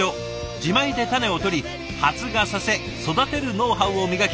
自前で種をとり発芽させ育てるノウハウを磨き